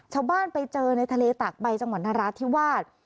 ชาวบ้านไปเจอในทะเลตากใบจังหวัดนราธิวาส